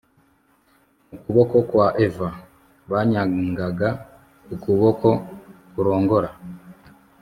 mu kuboko kwa eva. banyangaga ukuboko kurongora